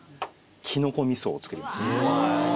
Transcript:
キノコ味噌を作ります。